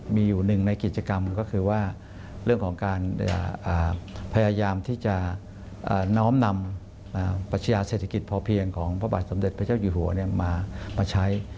มีอยู่หนึ่งในกิจกรรมก็คือว่าเรื่องของการพยายามที่จะน้อมนำปัชญาเศรษฐกิจพอเพียงของพระบาทสมเด็จพระเจ้าอยู่หัวมาใช้